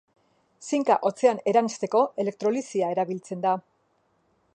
Zinka hotzean eransteko, elektrolisia erabiltzen da.